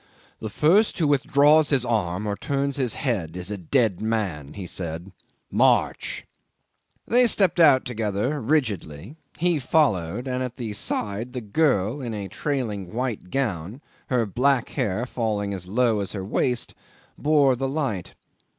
"The first who withdraws his arm or turns his head is a dead man," he said. "March!" They stepped out together, rigidly; he followed, and at the side the girl, in a trailing white gown, her black hair falling as low as her waist, bore the light.